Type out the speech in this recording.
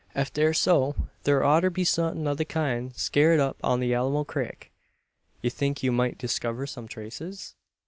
Eft air so, thur oughter be somethin' o' the kind scared up on the Alamo crik." "You think you might discover some traces?"